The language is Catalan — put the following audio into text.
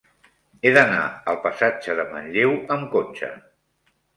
He d'anar al passatge de Manlleu amb cotxe.